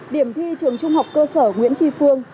điểm thi trường trung học cơ sở nguyễn tri phương